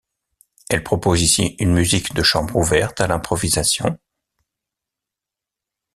Elle propose ici une musique de chambre ouverte à l’improvisation.